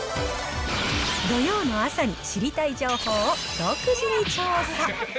土曜の朝に知りたい情報を独自に調査。